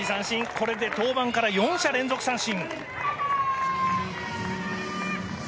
これで登板から４者連続三振。